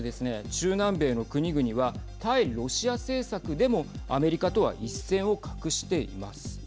中南米の国々は対ロシア政策でもアメリカとは一線を画しています。